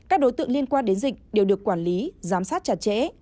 các đối tượng liên quan đến dịch đều được quản lý giám sát chặt chẽ